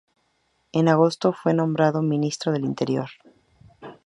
En agosto fue nombrado Ministro del Interior.